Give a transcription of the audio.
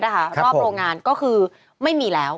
รอบโรงงานก็คือไม่มีแล้ว